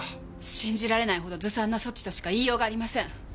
信じられないほどずさんな措置としか言いようがありません。